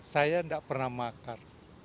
saya tidak pernah makar